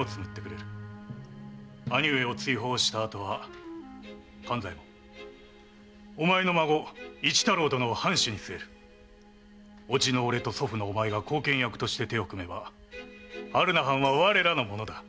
〔兄上を追放したあとは勘左衛門お前の孫・一太郎殿を藩主に据え叔父の俺と祖父のお前が後見役として手を組めば榛名藩は我らのものだ〕